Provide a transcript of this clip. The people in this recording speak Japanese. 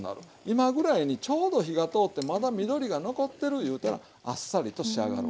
今ぐらいにちょうど火が通ってまだ緑が残ってるいうたらあっさりと仕上がるわけですよ。